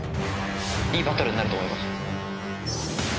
いいバトルになると思います。